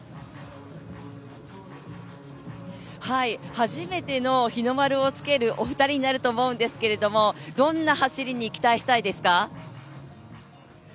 初めての日の丸をつけるお二人になると思うんですけどもどんな走りに期待したいですか？